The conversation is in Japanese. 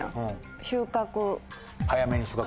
収穫。